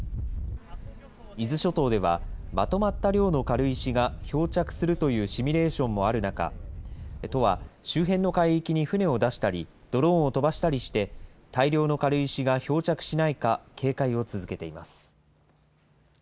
伊豆諸島では、まとまった量の軽石が漂着するというシミュレーションもある中、都は周辺の海域に船を出したり、ドローンを飛ばしたりして、大量の軽石が漂着しないか警戒を続けています。